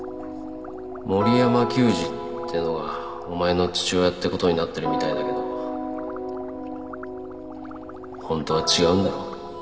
森山久司っていうのがお前の父親って事になってるみたいだけど本当は違うんだろ？